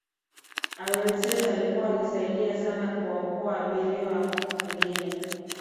abelset alikuwa alisaidia sana kuwaokoa abiriwa wengine